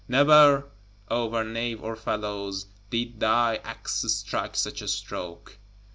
Never, over nave or felloe, did thy axe strike such a stroke.